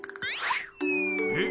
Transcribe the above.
えっ？